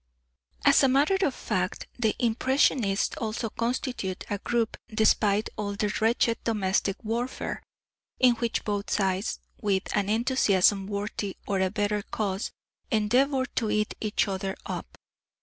As a matter of fact, the Impressionists also constitute a group, despite all their wretched domestic warfare, in which both sides, with an enthusiasm worthy of a better cause, endeavour to eat each other up.